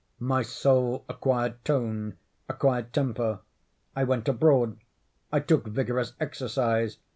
My soul acquired tone—acquired temper. I went abroad. I took vigorous exercise.